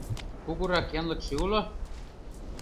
— Кугурак янлыкше уло?